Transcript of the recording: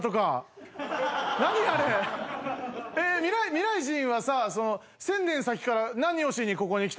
未来人はさその１０００年先から何をしにここに来たの？